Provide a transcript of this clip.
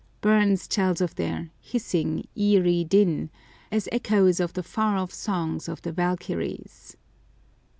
Burns tells of their "hissing, eerie din," as echoes of the far off songs of the Valkyries.